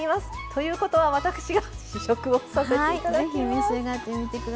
ということは私が試食をさせていただきます。